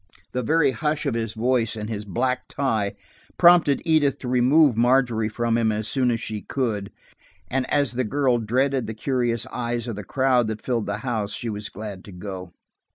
The very hush of his voice and his black tie prompted Edith to remove Margery from him as soon as she could, and as the girl dreaded the curious eyes of the crowd that filled the house, she was glad to go.